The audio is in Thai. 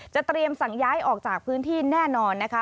เตรียมสั่งย้ายออกจากพื้นที่แน่นอนนะคะ